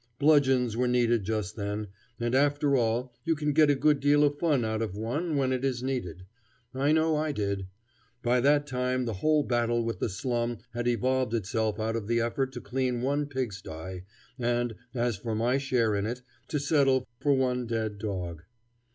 Bludgeons were needed just then, and, after all, you can get a good deal of fun out of one when it is needed. I know I did. By that time the whole battle with the slum had evolved itself out of the effort to clean one pig sty, and, as for my own share in it, to settle for one dead dog.